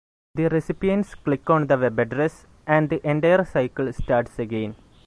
The recipients click on the web address, and the entire cycle starts again.